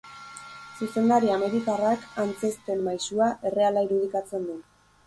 Zuzendari amerikarrak, antzezten maisua, erreala irudikatzen du.